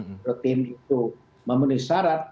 menurut tim itu memenuhi syarat